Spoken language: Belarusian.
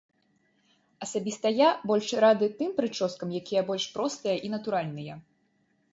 Асабіста я больш рады тым прычоскам, якія больш простыя і натуральныя.